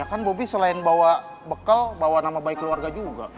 kan bobi selain bawa bekal bawa nama baik keluarga juga